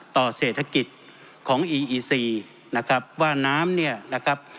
ต่อเศรษฐกิจของอีอีซีนะครับว่าน้ำเนี่ยนะครับ